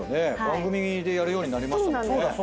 番組でやるようになりましたもんね。